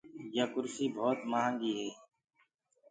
يآ ڪُرسي ڀوت مهآنگيٚ هي۔